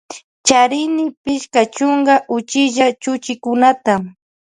Charini pichka chunka uchilla chuchikunata.